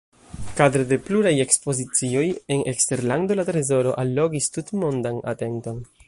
Kadre de pluraj ekspozicioj en eksterlando la trezoro allogis tutmondan atenton.